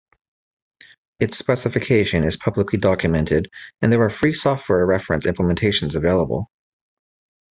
Its specification is publicly documented and there are free software reference implementations available.